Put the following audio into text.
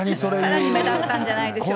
さらに目立ったんじゃないでしょうか。